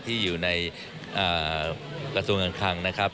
ที่อยู่ในกระทรวงการคลังนะครับ